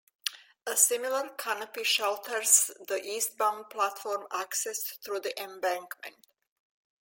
A similar canopy shelters the eastbound platform accessed through the embankment.